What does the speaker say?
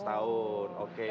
lima belas tahun oke